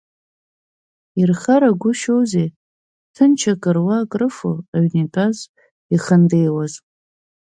Ирхарагәышьозеи ҭынч акыруа-акрыфо аҩны итәаз, ихандеиуаз.